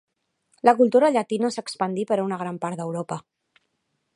La cultura llatina s'expandí per una gran part d'Europa.